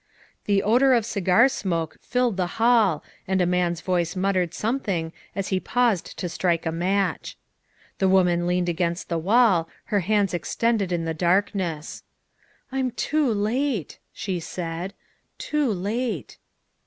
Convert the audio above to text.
The odor of cigar smoke filled the hall and a man's THE SECRETARY OF STATE 297 voice muttered something as he paused to strike a match. The woman leaned against the wall, her hands extended in the darkness. "I'm too late," she said, " too late."